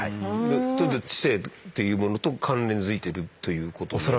知性っていうものと関連づいてるということですか？